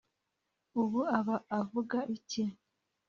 ubu aba avuga iki